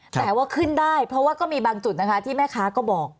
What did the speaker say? แต่ว่าขึ้นได้เพราะว่าก็มีบางจุดนะคะที่แม่ค้าก็บอก